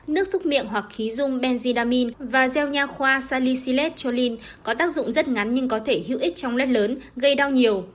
nước xúc miệng hoặc khí dung benzidamine và gel nha khoa salicylate choline có tác dụng rất ngắn nhưng có thể hữu ích trong lết lớn gây đau nhiều